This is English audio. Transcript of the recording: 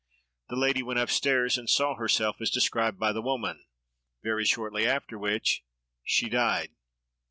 The lady went up stairs, and saw herself as described by the woman, very shortly after which she died.